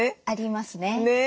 ありますね。